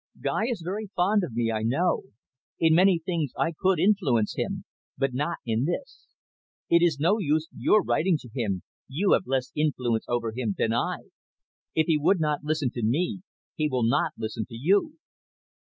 "Guy is very fond of me, I know. In many things I could influence him, but not in this. It is no use your writing to him, you have less influence over him than I. If he would not listen to me, he will not listen to you."